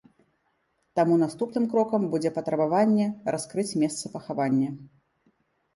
Таму наступным крокам будзе патрабаванне раскрыць месца пахавання.